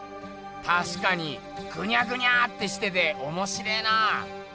たしかにぐにゃぐにゃってしてておもしれえなあ。